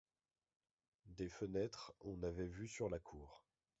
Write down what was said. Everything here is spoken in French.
Des fenêtres on avait vue sur la cour.